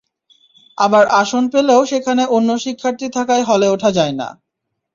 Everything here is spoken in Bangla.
আবার আসন পেলেও সেখানে অন্য শিক্ষার্থী থাকায় হলে ওঠা যায় না।